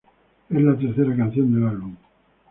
Es la tercera canción del álbum.